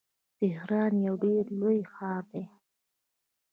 تهران یو ډیر لوی ښار دی.